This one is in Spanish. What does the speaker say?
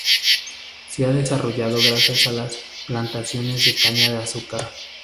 Se ha desarrollado gracias a las plantaciones de caña de azúcar.